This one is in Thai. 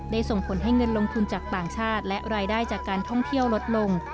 ส่งผลให้เงินลงทุนจากต่างชาติและรายได้จากการท่องเที่ยวลดลง